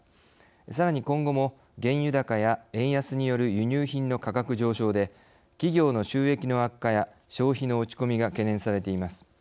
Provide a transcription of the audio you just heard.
さらに今後も、原油高や円安による輸入品の価格上昇で企業の収益の悪化や消費の落ち込みが懸念されています。